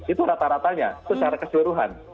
itu rata ratanya secara keseluruhan